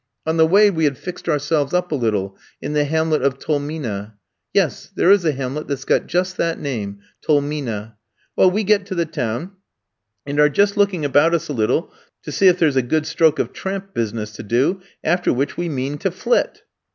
On the way we had fixed ourselves up a little in the hamlet of Tolmina; yes, there is a hamlet that's got just that name Tolmina. Well, we get to the town, and are just looking about us a little to see if there's a good stroke of tramp business to do, after which we mean to flit.